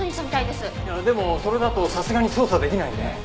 いやでもそれだとさすがに捜査できないね。